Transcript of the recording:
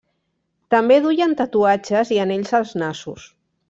També duien tatuatges i anells als nassos.